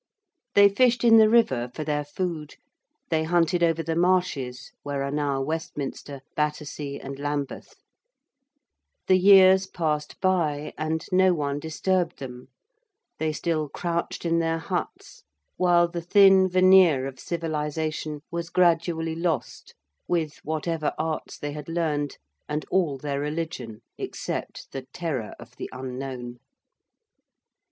They fished in the river for their food: they hunted over the marshes where are now Westminster, Battersea, and Lambeth: the years passed by and no one disturbed them: they still crouched in their huts while the thin veneer of civilisation was gradually lost with whatever arts they had learned and all their religion except the terror of the Unknown.